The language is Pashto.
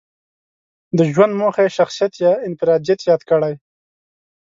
د ژوند موخه یې شخصيت يا انفراديت ياد کړی.